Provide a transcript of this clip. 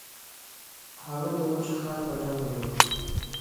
هغه د اوچه ښار په جنګ ونیوی.